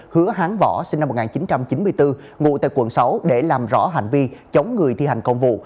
sinh năm một nghìn chín trăm chín mươi bốn ngụ tại quận sáu để làm rõ hành vi chống người thi hành công vụ